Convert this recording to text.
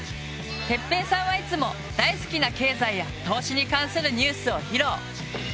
てっぺいさんはいつも大好きな経済や投資に関するニュースを披露。